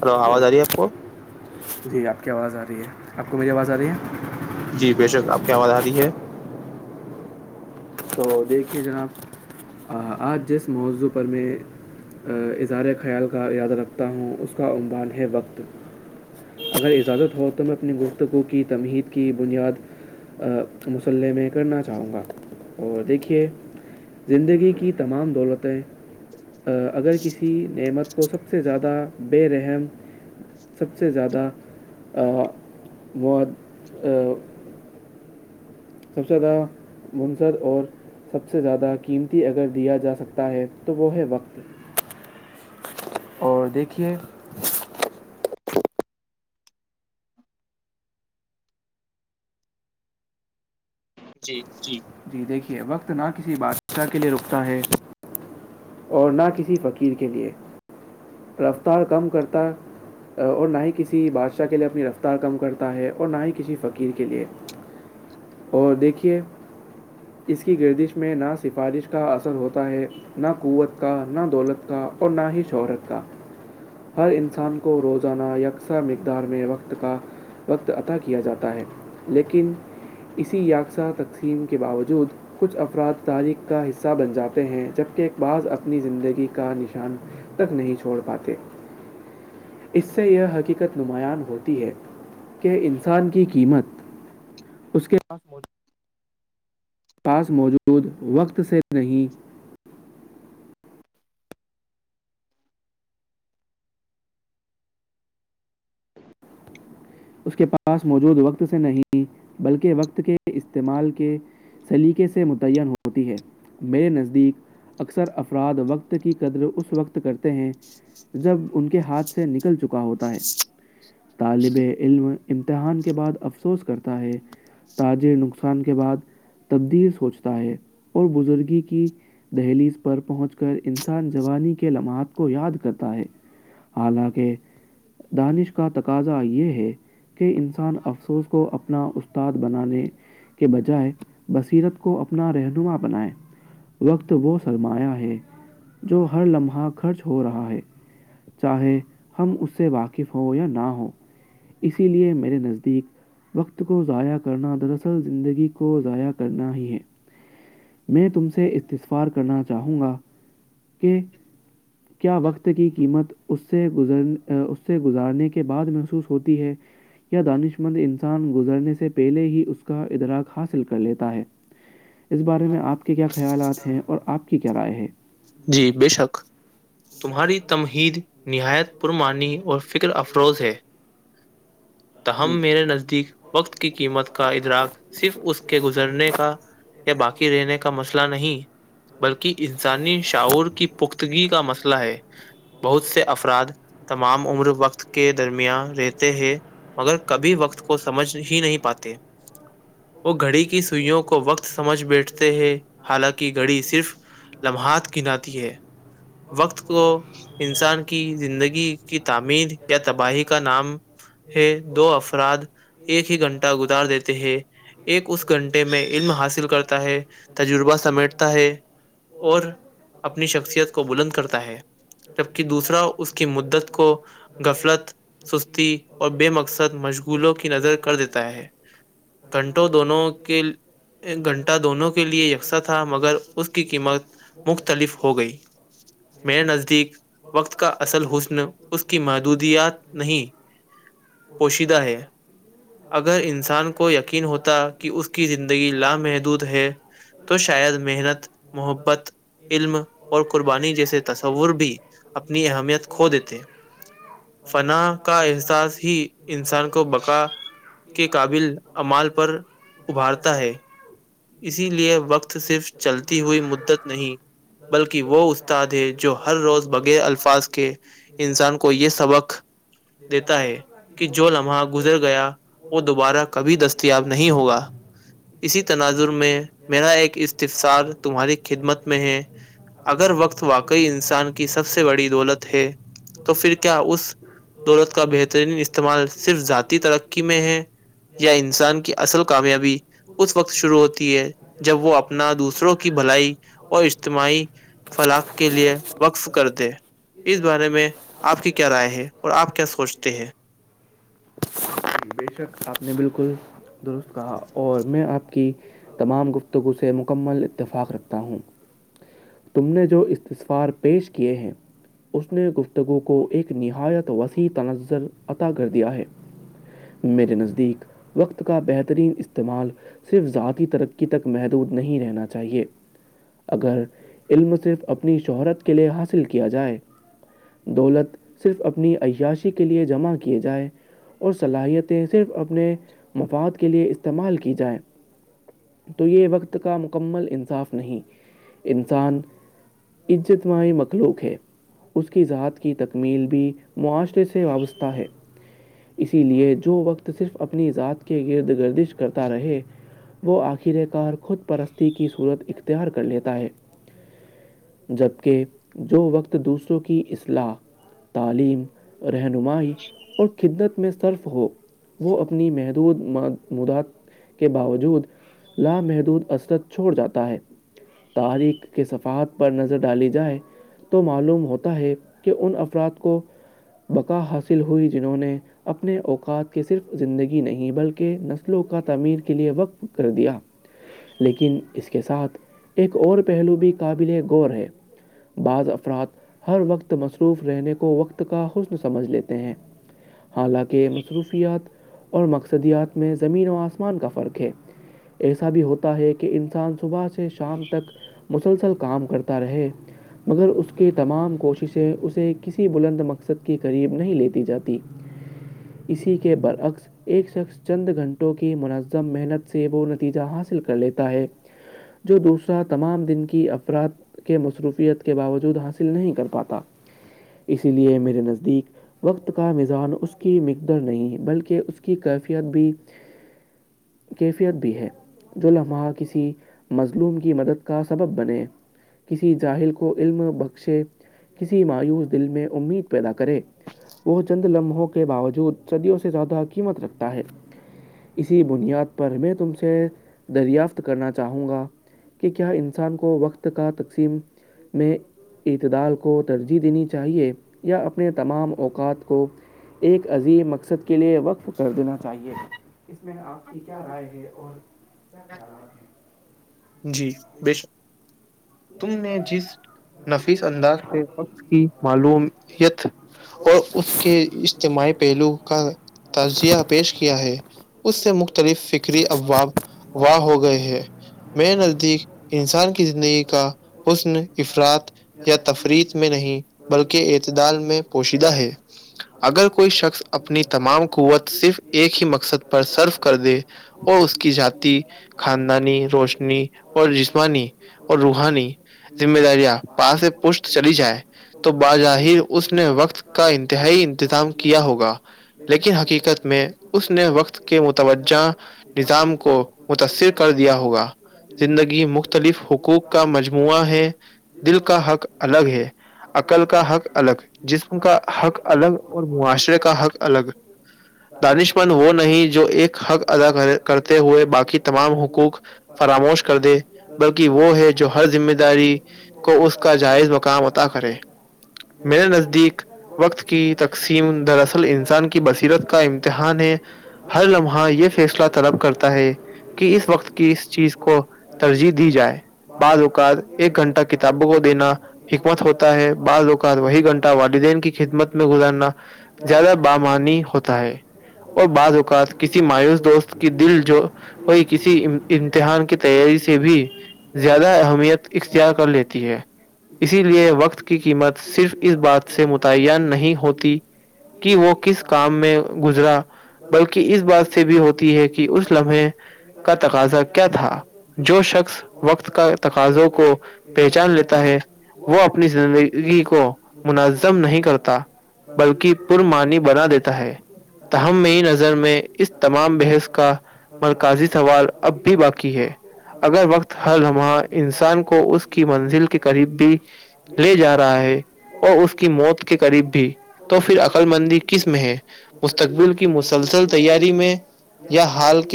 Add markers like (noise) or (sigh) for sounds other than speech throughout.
hello hello آواز آ رہ ہےپ کو جی آپ کی آواز آ رہی ہے آپ کو میری آواز آ رہی ہے- جی بے شک آپ کی آواز آ رہی ہے- تو دیکھیے جناب آج جس موضوع پر میں- اظہار خیال کا یاد رکھتا ہوں اس کا عموان ہے وقت- اگر اجازت ہو تو میں اپنی گفتگو کی تمہید کی بنیاد- مسلح میں کرنا چاہوں گا- اور دیکھیے زندگی کی تمام دولتیں- اگر کسی نعمت کو سب سے زیادہ بے رحم- سب سے زیادہ مواد- سب سے زیادہ بنصد اور- سب سے زیادہ قیمتی اگر دیا جا سکتا ہے تو وہ ہے وقت- اور دیکھیے جی -جی جی دیکھے وقت نہ کسی بادشاہ کے لیئے رکتا ہے- اور نہ کسی فقیر کے لئے- رفتار کم کرتا ہے- اور نہ ہی کسی بادشاہ کے لیے اپنی رفتار کم کرتا ہے اور نہ ہی کسی فقیر کے لیے- اور دیکھیے- اس کی گردش میں نہ سفارش کا اثر ہوتا ہے- نہ قوت کا نہ دولت کا اور نہ ہی شہرت کا- ہر انسان کو روزانہ یکساں مقدار میں وقت کا- وقت عطا کیا جاتا ہے لیکن- اسی یایکساں تقسیم کے باوجود- کچھ افراد تاریخ کا حصہ بن جاتے ہیں جبکہ ایک بعض اپنی زندگی کا نشان تک نہیں چھوڑ پاتے اس سے یہ حقیقت نماں ہوتی ہے کہ انسان کی قیمت اس کے پاس موجود پاس موجود وقت سے نہیں اس کے پاس موجود وقت سے نہیں بلکہ وقت کے استعمال کے سلیقے سے متعین ہوتی ہے میرے نزدیک اکثر افراد وقت کی قدر اس وقت کرتے ہیں جب ان کے ہاتھ سے نکل چکا ہوتا ہے طالب علم امتحان کے بعد افسوس کرتا ہے تاج نقصان کے بعد تبدیل سوچتا ہے اور بزرگی کی دہلیز پر پہنچ کر ان انان جوانی کے لمحات کو یاد کرتا ہے حالانکہ دانش کا تقاضا یہ ہے کہ انسان افسوس کو اپ اپنا استاد بنانے کے بجائے بصیرت کو اپنا رہنما بنائیں وقت وہ سرمایہ ہے جو ہر لمحہ خرچ ہو رہا ہے چاہے ہم اس سے واقف ہوں یا نہ ہو اسی لیے میرے نزدیک وقت کو ضائع کرنا دراصل زندگی کو ضائع کرنا ہی ہے میں تم سے استسفار کرنا چاہوں گا کہ کیا وقت کی قیمت اس اس سے گزارنے کے بعد محسوس ہوتی ہے یا دانش مند انسان گزرنے سے پہلے ہی اس کا ادراک حاصل کر لیتا ہے اس بارے میں آپ کے کیا خیالات ہیں اور آپ کی کیا رائے ہے جی بے شک تمہاری تمہید نہایت پرمانی اور فکر افروز ہے (inaudible) ت ہمم میرے نزدیک وقت کی قیمت کا ادراک صرف اس کے گزرنے کا یا باقی رہنے کا مسئلہ نہیں بلکہ انسانی شاعور کی پختگی کا مسئلہ ہے بہت سے افراد تمام عمر وقت کے درمیان رہتے ہیں مگر کبھی وقت کو سمجھ ہی نہیں پاتے وہ گھڑی کی سوئیوں کو وقت سمجھ بیٹھتے ہے حالانکہ گھڑی صرف لمحات گناتی ہے وقت کو انسان کی زندگی کی تعمیر یا تباہی کا نام ہے دو افراد ایک ہی گھنٹہ گزار دیتے ہیں ایک اس گھنٹے میں علم حاصل کرتا ہے تجربہ سمیٹتا ہے اور اپنی شخصیت کو بلند کرتا ہے جبک دوسرا اس کی مدت کو غفلت سستی اور بے مقصد مشغولوں کی نظر کر دیتا ہے گھنٹوں دونوں کے گھنٹہ دونوں کے کے لئے یکساں تھا مگر اس کی قیمت مختلف ہو گئی میر نزدیک وقت کا اصل حسن اس کی محدودیات نہیں شہ ہے اگر انسان کو یقین ہوتا کہ کی زندگی لامحدود ہے تو شاید محنت محبت علم اور قبانے قربانی جیسے تصور بھی اپنی بھینیمیت اہمیت ہو کھو دیتے فنا کا احساس ہی انسان کو بقا کے قابل حمال پر سا ہے اسی لیے وقت صرف چلتی ہوئی مدت نہیں بلکہ وہ استاد ہے جو ہر روز بغیر الفاظ کے انسان کو یہ سبق دیتا ہے کہ جو لمحہ گزر گیا وہ دوبارہ کبھی دستیاب نہیں ہوگا اسی تناظر میں میرا ایک استفسار تمہاری خدمت میں ہے اگر وقت واقعی انسان کی سب سے بڑی دولت ہے تو پھر کیا اس دولت کا بہترین استعمال صرف ذاتی ترقی میں ہے یا انسان کی اصل کامیابی اس وقت شروع ہوتی ہے جب وہ اپنا دوسروں کی بھلائی اور اجتماعی فلاخ کے لیے وقف کر دے اس بارے میں آپ کی کیا رائے ہے اور آپ کیا سوچتے ہیں ج بے شک آپ نے بالکل درست کہا اور میں آپ کی تمام گفتگو سے مکمل اتفاق رکھتا ہوں تم نے جو استفار پیش کیے ہیں اس نے گفتگو کو ایک نہایت وسیع تنظر عطا کر دیا ہے میرے نزدیک وقت کا بہترین استعمال صرف ذاتی ترقی تک محدود نہیں رہنا چاہیے اگر علم صرف اپنی شہرت کے لیے حاصل کیا جائے دولت صرف اپنی عیاشی کے لیئے جمع کیے جائے اور صلاحیتیں صرف اپنے مفاد کے لیے استعمال کی جائیں تو یہ وقت کا مکمل انصاف نہیں انسان عزت ماہی مخلوق ہے اس کی ذات کی تکمیل بھی معاشرے سے وابستہ ہے اسی لیے جو وقت صرف اپنی ذات کے گرد گردش کرتا رہے وہ آخر کار خود پرستی کی صورت اختیار کر لیتا ہے جبکہ جو وقت دوسروں کی اصلاح تعلیم رہنمائی اور خدت میں صرف ہو وہ اپنی محدود مدات کے باوجود لامحدود اثرت چھوڑ جاتا ہے تاریخ کے صفحات پر نظر ڈالی جائے تو معلوم ہوتا ہے کہ ان افراد کو بقا حاصل ہوئی جنہوں نے اپنے اوقات کی صرف زندگی نہیں بلکہ نسلوں کا تعمیر کے لیے وقتف کر دیا لیکن اس کے ساتھ ایک اور پہلو بھی قابل غور ہے بعض افراد ہر وقت مصروف رہنے کو وقت کا حسن سمجھ لیتے ہیں حالانکہ مصروفیات اور مقصدیات میں زمین و آسمان کا فرق ہے ایسا بھی ہوتا ہے کہ انسان صبح سے شام تک مسلسل کام کرتا رہے مگر اس کے تمام کوششیں اسے کسی بلند مقصد کے قریب نہیں لیتی جاتی اسی کے برعکس ایک شخص چند گھنٹوں کی مناظ محنت سے وہ نتیجہ حاصل کر لیتا ہے جو دوسرا تمام دن کی افراد کے مصروفیت کے باوجود حاصل نہیں کر پاتا اسی لیے میرے نزدیک وقت کا میزان اس کی مقدار نہیں بلکہ اس کی کیفیت بھی کیفیت بھی ہے جو لمحہ کسی مظلوم کی مدد کا سبب بنے کسی جاہل کو علم بخشے کسی مایوس دل میں امید پیدا کرے وہ چند لمحوں کے باوجود صدیوں سے زیادہ قیمت رکھتا ہے اسی بنیاد پر میں تم سے دریافت کرنا چاہوں گا کہ کیا انسان کو وقت کا تقسیم میں اتدال کو ترجیح دینی چاہیے یا اپنے تمام اوقات کو ایک عظیم مقصد کے لئے وقف کر دینا چاہیے اس میں آپ کہ کیا رائے ہے اور کیا کہ رہا ہے جی بے شک تم نے جس نفیس انداز سے وقت کی معلومات اور اس کے اجتماعی پہلو کا تجزیہ پیش کیا ہے اس سے مختلف فکری افواب واہ ہو گئے ہیں میں نزدیک انسان کتنی کا حسن افراد یا تفریت میں نہیں بلکہ اعتدال میں پوشیدہ ہے اگر کوئی شخص اپنی تمام قوت صرف ایک ہی مقصد پر صرف کر دے اور اس کی جات خاندانی روشنی اور جسمانی اور روحانی ذمہ داریاں پا سے پشت چلی جائے تو باجاہر اس نے وقت کا انتہائی انتظام کیا ہوگا لیکن حقیقت میں اس نے وقت کے متوجہ نظام کو متاثر کر دیا ہوگا زندگی مختلف حقوق کا مجموعہ ہے دل کا حق الگ ہے عقل کا حق الگ کا حق الگ اور معاشرے کا حق الگ ہے دانش مند وہ نہیں جو ایک حق ادا کر کرتے ہوئے باقی تمام حقوق فراموش کر دے ہاں بلکہ وہ ہے جو ہر ذمہ داری کو اس کا جائز مقام عطا کرے میرے نزدیک وقت کی تقسیم دراصل انسان کی بصیرت کا امتحان ہے ہر لمحہ یہ فیصلہ طلب کرتا ہے کہ اس وقت کی اس چیز کو ترجیح دی جائے بعض اوقات ایک گھنٹہ کتابوں کو دینا حکمت ہوتا ہے بعض اوقات وہی گھنٹہ والدین کی خدمت میں گزارنا زیادہ بامانی ہوتا ہے اور بعض اوقات کسی مایوس دوست کی دل جو ہوئی کسی امتحان کی تیاری سے بھی زیادہ اہمیت اختیار کر لیتی ہے اسی لیے وقت کی قیمت صرف اس بات سے متعین نہیں ہوتی کہ وہ کس کام میں گزرا بلکہ اس بات سے بھی ہوتی ہے کہ اس لمحے کا تقاضا کیا تھا جو شخص وقت کا تقاضوں کو پہچان لیتا ہے وہ اپنی زندگی کو گد نہیں کرتا بلکی بلکہ پھر مانی پرمعنی بنا دیتا ہے لیتا میری نظر میں تمام دد کا مرکزی سوال اب بھی باقی ہے اگر وقت ہر دمہ انسان کو اس کی منزل کے قریب بھی لے جا رہا ہے اور اس کی موت کے قریب بھی تو پھر عقل مندی کس میں ہے مستقبل کی مسلسل تیاری میں یا ہال کے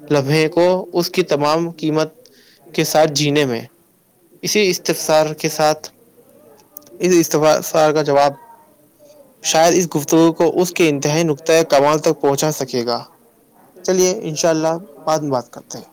لے کو اس کی تمام مت کے ساتھ جینے میں اسی استفسار کے ساتھ اس استفسار کا جواب (inaudible) شاید اس گفتگو کو اس کے انتہائی نقطۂ کمال تک پہنچا سکے گا (inaudible) چلیے ان شاء اللہ بعد میں بات کرتے ہیں